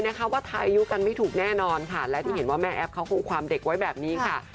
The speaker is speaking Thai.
แดดอยู่กันไม่ถูกแน่นอนค่ะและที่เห็นว่าแม่แอฟเขาโชว์ความเด็กไว้แบบนี้ค่ะ